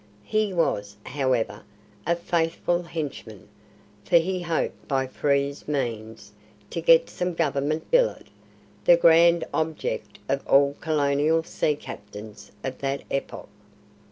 He was, however, a faithful henchman, for he hoped by Frere's means to get some "Government billet" the grand object of all colonial sea captains of that epoch.